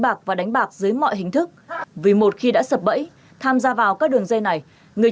bạc và đánh bạc dưới mọi hình thức vì một khi đã sập bẫy tham gia vào các đường dây này người